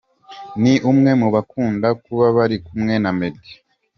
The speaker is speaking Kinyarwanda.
Ni umwe mu bakunda kuba bari kumwe na Meddy.